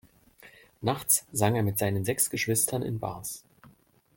Nachts sang er mit seinen sechs Geschwistern in Bars.